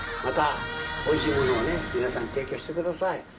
またおいしいものを皆さんに提供してください。